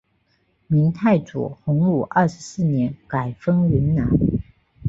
明太祖洪武二十四年改封云南。